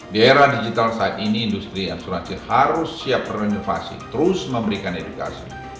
di era digital saat ini industri asuransi harus siap berinovasi terus memberikan edukasi